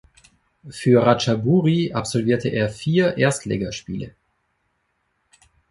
Für Ratchaburi absolvierte er vier Erstligaspiele.